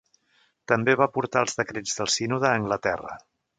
També va portar els decrets del sínode a Anglaterra.